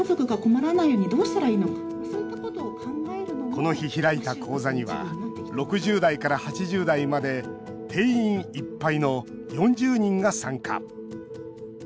この日、開いた講座には６０代から８０代まで定員いっぱいの４０人が参加。